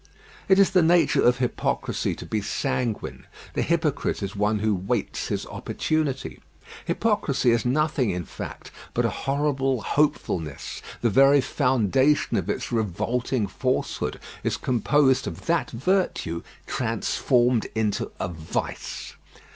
It is the nature of hypocrisy to be sanguine. The hypocrite is one who waits his opportunity. Hypocrisy is nothing, in fact, but a horrible hopefulness; the very foundation of its revolting falsehood is composed of that virtue transformed into a vice.